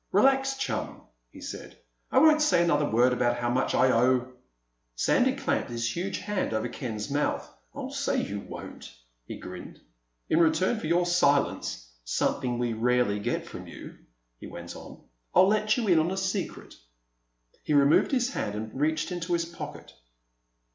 "Relax, chum," he said. "I won't say another word about how much I owe—" Sandy clamped his huge hand over Ken's mouth. "I'll say you won't." He grinned. "In return for your silence—something we rarely get from you," he went on, "I'll let you in on a secret." He removed his hand and reached into his pocket.